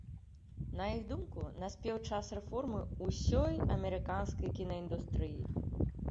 На іх думку, наспеў час рэформы ўсёй амерыканскай кінаіндустрыі.